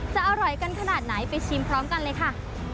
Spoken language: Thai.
จะอร่อยกันขนาดไหนไปชิมพร้อมกันเลยค่ะ